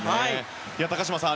高島さん